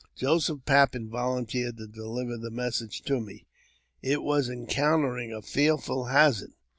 Joseph Pappen volunteered to deliver the message to ma it was encountering a fearful hazard.